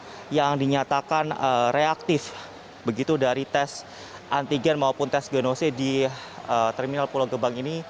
yang dinyatakan reaktif begitu dari tes antigen maupun tes genose di terminal pulau gebang ini